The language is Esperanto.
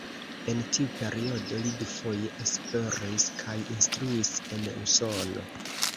En tiu periodo li dufoje esploris kaj instruis en Usono.